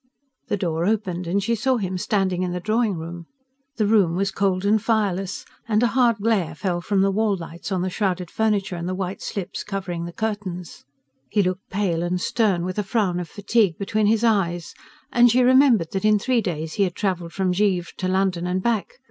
The door opened and she saw him standing in the drawing room. The room was cold and fireless, and a hard glare fell from the wall lights on the shrouded furniture and the white slips covering the curtains. He looked pale and stern, with a frown of fatigue between his eyes; and she remembered that in three days he had travelled from Givre to London and back.